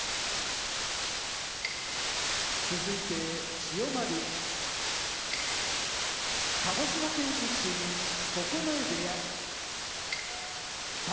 千代丸鹿児島県出身九重部屋宝